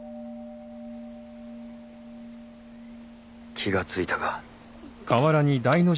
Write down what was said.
気が付いたか？